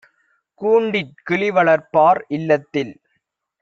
கூண்டிற் கிளிவளர்ப்பார் - இல்லத்தில்